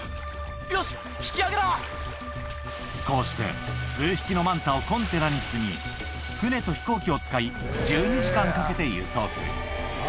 よし、こうして数匹のマンタをコンテナに積み、船と飛行機を使い、１２時間かけて輸送する。